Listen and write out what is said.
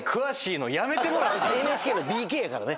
ＮＨＫのＢＫやからね。